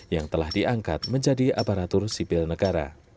yang telah diangkat menjadi aparatur sipil negara